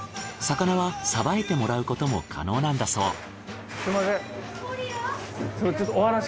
魚はさばいてもらうことも可能なんだそう。